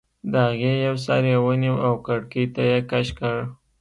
د هغې یو سر یې ونیو او کړکۍ ته یې کش کړ